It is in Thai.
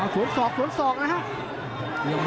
สวนส่อกนะฮะ